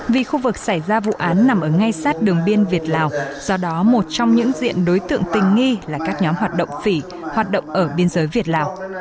vì khu vực xảy ra vụ án nằm ở ngay sát đường biên việt lào do đó một trong những diện đối tượng tình nghi là các nhóm hoạt động phỉ hoạt động ở biên giới việt lào